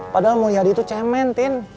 padahal mulyadi tuh cemen tin